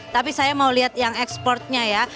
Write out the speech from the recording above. tapi saya mau lihat yang ekspornya ya